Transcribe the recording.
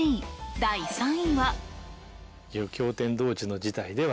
第３位は。